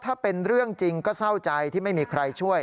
ถ้าเป็นเรื่องจริงก็เศร้าใจที่ไม่มีใครช่วย